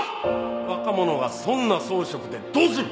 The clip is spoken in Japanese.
若者がそんな草食でどうする？